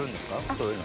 そういうの。